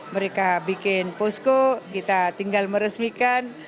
mereka bikin posko kita tinggal meresmikan